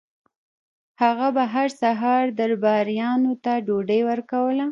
هغه به هر سهار درباریانو ته ډوډۍ ورکوله.